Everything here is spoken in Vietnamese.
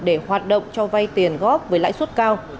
để hoạt động cho vay tiền góp với lãi suất cao